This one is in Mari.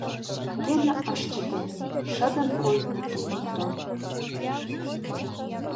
Гена ыш чыте — шыдын койын мутым лукто.